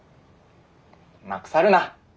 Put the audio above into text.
まくさるな。